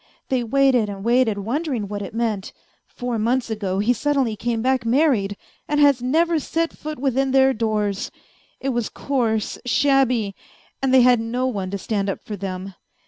They waited and waited, wondering what it meant. ... Four months ago he suddenly came back married, and has never set foot within their doors I It was coarse shabby ! And they had no one to stand up for them.